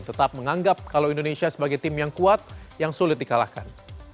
tetap menganggap kalau indonesia sebagai tim yang kuat yang sulit dikalahkan